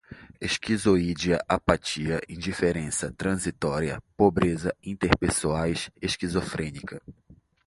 esquizoidia, apatia, indiferença, transitória, pobreza, interpessoais, esquizofrênica